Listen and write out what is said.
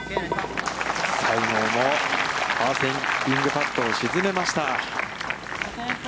西郷もパーセーブパットを沈めました。